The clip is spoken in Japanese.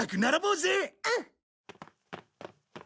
うん。